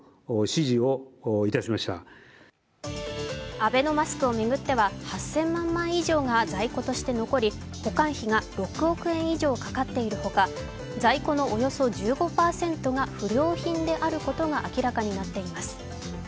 アベノマスクを巡っては８０００万枚以上が在庫として残り保管費が６億円以上かかっているほか、在庫のおよそ１５％が不良品であることが明らかになっています。